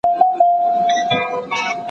هغه وویل چې پرمختګ اړین دی.